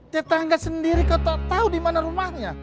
tiap tangga sendiri kau tak tahu di mana rumahnya